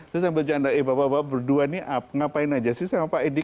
saya sambil canda eh bapak bapak berdua nih ngapain aja sih sama pak edi